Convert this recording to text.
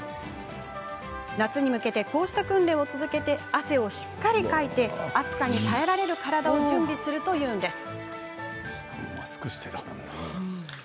夏に向けて、こうした訓練を続け汗をしっかりかいて暑さに耐えられる体を準備するといいます。